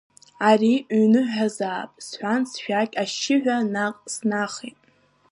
Ари ҩынҳәазаап сҳәан, сшәақь ашьшьыҳәа наҟ снахеит.